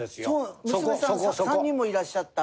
娘さん３人もいらっしゃったら。